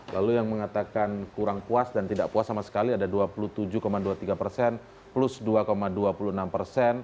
lalu yang mengatakan kurang puas dan tidak puas sama sekali ada dua puluh tujuh dua puluh tiga persen plus dua dua puluh enam persen